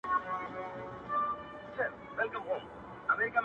دومره حيا مه كوه مړ به مي كړې.